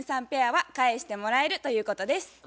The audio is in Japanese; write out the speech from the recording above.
ペアは「返してもらえる」ということです。